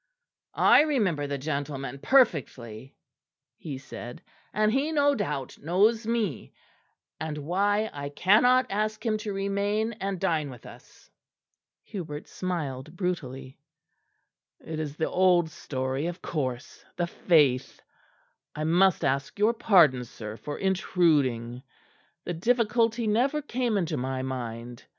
"I remember the gentleman perfectly," he said, "and he no doubt knows me, and why I cannot ask him to remain and dine with us." Hubert smiled brutally. "It is the old story of course, the Faith! I must ask your pardon, sir, for intruding. The difficulty never came into my mind.